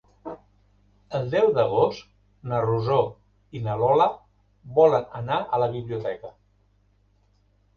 El deu d'agost na Rosó i na Lola volen anar a la biblioteca.